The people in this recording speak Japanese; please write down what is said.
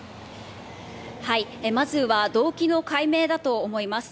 まずは動機の解明だと思います。